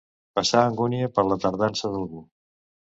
Passar angúnia per la tardança d'algú.